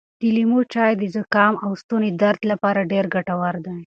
د لیمو چای د زکام او ستوني درد لپاره ډېر ګټور دی.